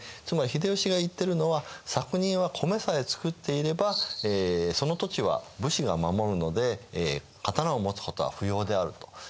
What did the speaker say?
つまり秀吉が言ってるのは「作人は米さえ作っていればその土地は武士が守るので刀を持つことは不要である」と。